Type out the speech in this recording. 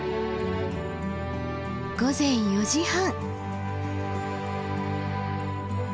午前４時半。